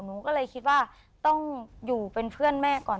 หนูก็เลยคิดว่าต้องอยู่เป็นเพื่อนแม่ก่อน